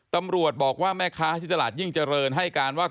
ตำรวจบอกว่าแม่ค้าที่ตลาดยิ่งเจริญให้การว่า